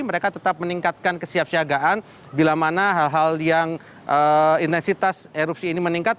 mereka tetap meningkatkan kesiapsiagaan bila mana hal hal yang intensitas erupsi ini meningkat